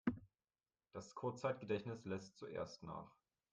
Das Kurzzeitgedächtnis lässt zuerst nach.